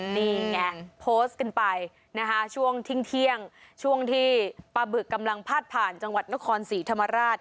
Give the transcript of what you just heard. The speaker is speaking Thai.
นี่ไงโพสต์กันไปนะคะช่วงทิ้งเที่ยงช่วงที่ปลาบึกกำลังพาดผ่านจังหวัดนครศรีธรรมราช